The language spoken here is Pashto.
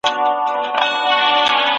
د بدن هر غړی خپله ځانګړې دنده ترسره کوي.